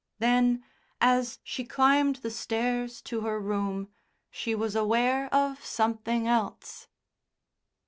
Then as she climbed the stairs to her room, she was aware of something else.